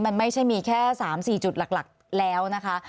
มันไม่ใช่มีแค่๓๔จุดหลักแล้วนะคะ